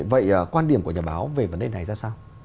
vậy quan điểm của nhà báo về vấn đề này ra sao